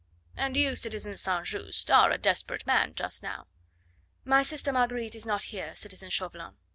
And you, citizen St. Just, are a desperate man just now." "My sister Marguerite is not here, citizen Chauvelin.